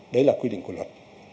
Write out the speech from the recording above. đấy là quy định của luật